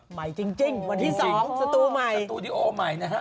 ใหม่จริงจริงวันที่สองสตูดิโอใหม่สตูดิโอใหม่นะฮะ